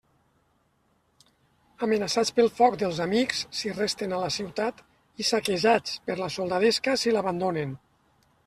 Amenaçats pel foc dels amics si resten a la ciutat, i saquejats per la soldadesca si l'abandonen.